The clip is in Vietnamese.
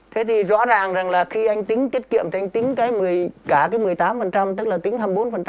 thế thì rõ ràng rằng là khi anh tính tiết kiệm cho anh tính cái cả cái một mươi tám tức là tính hai mươi bốn